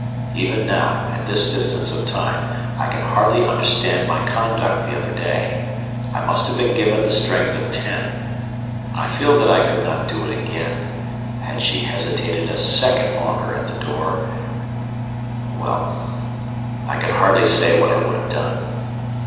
Even now, at this distance of time, I can hardly understand my conduct the other day. I must have been given the strength of ten. I feel that I could not do it again; had she hesitated a second longer at the door well, I can hardly say what I would have done.